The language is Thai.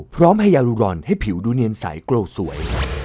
พร้อมให้ยารูรอนให้ผิวดูเนียนใสโกรธสวย